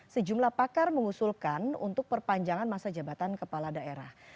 sejumlah pakar mengusulkan untuk perpanjangan masa jabatan kepala daerah